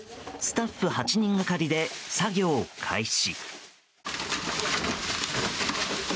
スタッフ８人がかりで作業開始。